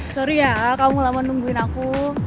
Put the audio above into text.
sorry ya kamu lama nungguin aku